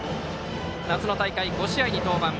夏の大会５試合に登板。